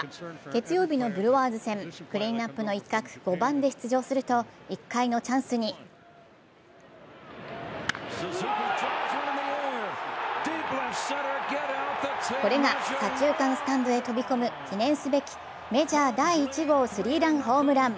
月曜日のブルワーズ戦、クリーンナップの一角、５番で出場すると１回のチャンスにこれが左中間スタンドに飛び込む記念すべきメジャー第１号スリーランホームラン。